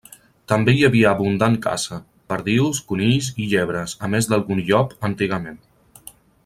També hi havia abundant caça: perdius, conills i llebres, a més d'algun llop, antigament.